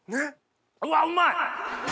うわっうまい！